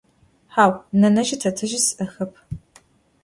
Hau, nenezji tetezji si'exep.